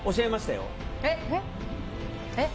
えっ？